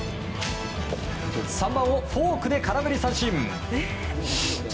３番をフォークで空振り三振。